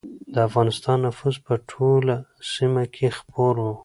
د افغانستان نفوذ په ټوله سیمه کې خپور و.